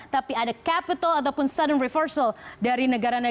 tapi ada capital ataupun sudden reversal dari negara negara